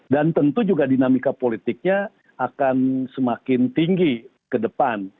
dan tentu juga dinamika politiknya akan semakin tinggi ke depan